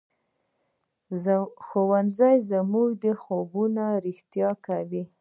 ښوونځی زموږ خوبونه رښتیا کوي